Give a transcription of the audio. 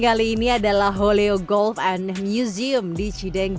kali ini adalah haleo golf and museum di cidangkau